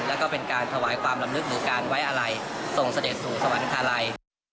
แล้วก็เป็นการถวายความลำลึกหรือการไว้อะไรส่งเสด็จสู่สวรรคาลัย